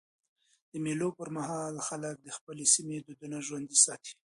د مېلو پر مهال خلک د خپل سیمي دودونه ژوندي ساتي.